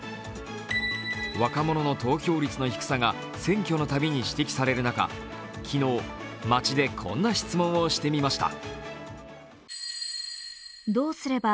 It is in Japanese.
若者の投票率の低さが選挙のたびに指摘される中、昨日、街でこんな質問をしてみました。